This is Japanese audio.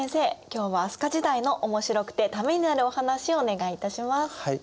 今日は飛鳥時代のおもしくてためになるお話をお願いいたします。